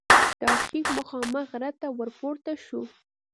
د آرشیف مخامخ غره ته ور پورته شوو.